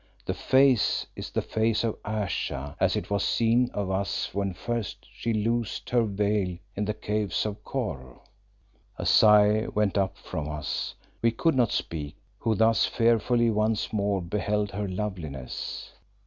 the face is the face of Ayesha as it was seen of us when first she loosed her veil in the Caves of Kôr. A sigh went up from us; we could not speak who thus fearfully once more beheld her loveliness.